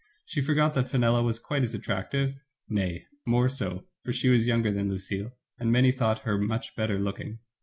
She forgot that Fenella was quite as attractive, nay, more so, for she was younger than Lucille, and many thought her much better look ing.